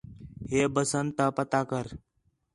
ہِے بسنت تا پتہ کر